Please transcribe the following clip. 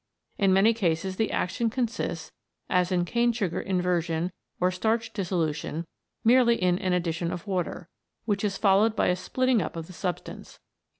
In many cases the action consists, as in cane sugar inversion or starch dissolution, merely in an addition of water, which is followed by a splitting up of the substance.